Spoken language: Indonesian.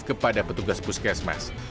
kepada petugas puskesmas